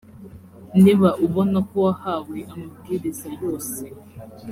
niba ubona ko wahawe amabwiriza yose